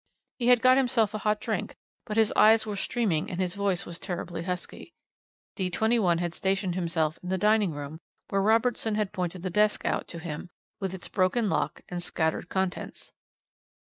He had got himself a hot drink, but his eyes were streaming and his voice was terribly husky. D 21 had stationed himself in the dining room, where Robertson had pointed the desk out to him, with its broken lock and scattered contents.